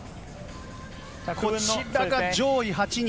こちらが上位８人。